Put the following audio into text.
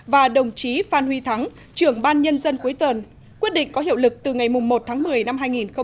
và đồng chí phan huy thắng trưởng ban nhân dân cuối tuần quyết định có hiệu lực từ ngày một tháng một mươi năm hai nghìn một mươi chín